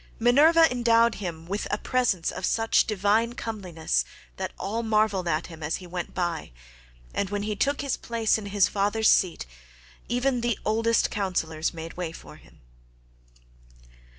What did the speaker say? Minerva endowed him with a presence of such divine comeliness that all marvelled at him as he went by, and when he took his place in his father's seat even the oldest councillors made way for him.